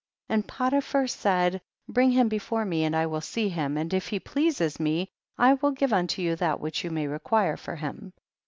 6. And Potiphar said, bring him before me, and I will see him, and if he please me I will give unto you that which you may require for him, 7.